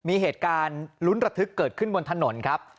มีเหตุการณ์ลุ้นระทึกเกิดขึ้นบนถนนครับ